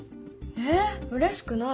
えうれしくない。